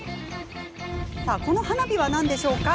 この花火は何でしょうか？